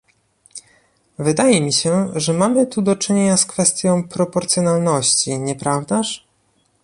Wydaje mi się, że mamy tu do czynienia z kwestią proporcjonalności, nieprawdaż?